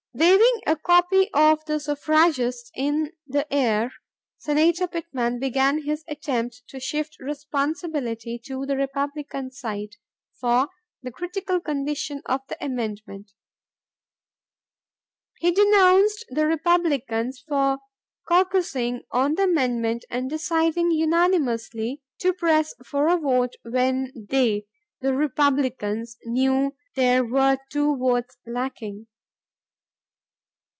Waving a copy of the Suffragist in the air, Senator Pittman began his attempt to shift responsibility to the Republican side, for the critical condition of the amendment. He denounced the Republicans for caucusing on the amendment and deciding unanimously to press for a vote, when they the Republicans] knew there were two votes lacking.